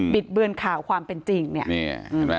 ิดเบือนข่าวความเป็นจริงเนี่ย